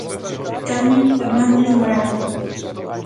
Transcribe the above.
Carmen Fernández Morante.